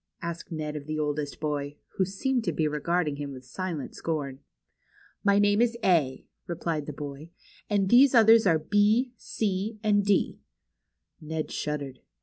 asked Ned of the oldest boy, who seemed to be regarding him with silent scorn. My name is A," replied the boy ; and these others are B, C, and D." Ned shuddered.